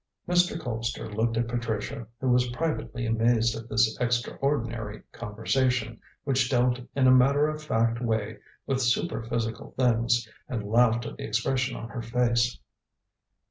Mr. Colpster looked at Patricia, who was privately amazed at this extraordinary conversation, which dealt in a matter of fact way with super physical things, and laughed at the expression on her face.